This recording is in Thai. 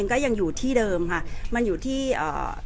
มันมาถึงตรงนี้ได้เนี้ยเราอดทนมาถึงดีสุดแล้วค่ะ